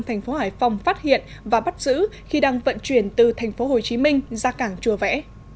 thành phố hải phòng phát hiện và bắt giữ khi đang vận chuyển từ thành phố hồ chí minh ra cảng chùa vẽ